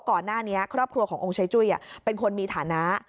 ก่อนหน้านี้ครอบครัวขององค์ชัยจุ้ยเป็นคนมีฐานะ